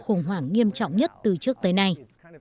khủng hoảng nghiêm trọng nhất từ trước tới nay